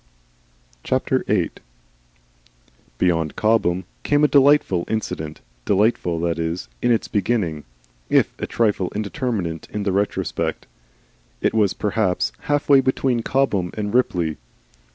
VIII. Beyond Cobham came a delightful incident, delightful, that is, in its beginning if a trifle indeterminate in the retrospect. It was perhaps half way between Cobham and Ripley.